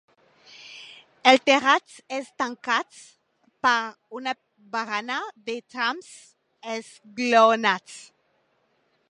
El terrat és tancat per una barana de trams esglaonats.